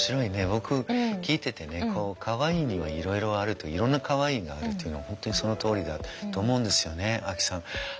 僕聞いててねかわいいにはいろいろあるといろんなかわいいがあるっていうの本当にそのとおりだと思うんですよねアキさん。